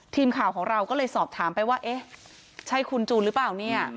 ทีมข่าวของเราก็เลยสอบถามไปว่าเอ๊ะใช่คุณจูนหรือเปล่าเนี่ย